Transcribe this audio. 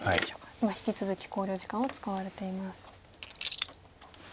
今引き続き考慮時間を使われています。